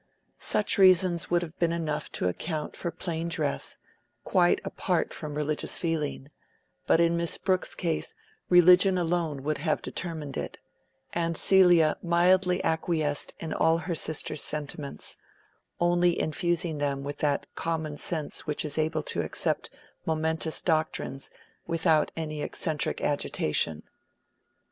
Such reasons would have been enough to account for plain dress, quite apart from religious feeling; but in Miss Brooke's case, religion alone would have determined it; and Celia mildly acquiesced in all her sister's sentiments, only infusing them with that common sense which is able to accept momentous doctrines without any eccentric agitation.